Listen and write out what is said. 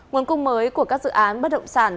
nguồn cung mới của các dự án bất động sản